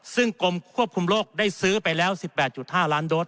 ซึ่งกรมควบคุมโรคได้ซื้อไปแล้ว๑๘๕ล้านโดส